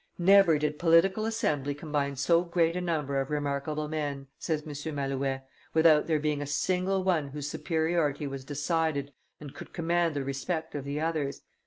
"Never did political assembly combine so great a number of remarkable men," says M. Malouet, "without there being a single one whose superiority was decided and could command the respect of the others.